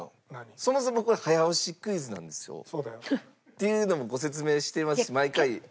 そもそもこれは早押しクイズなんですよ。っていうのもご説明してますし毎回。